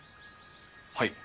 はい。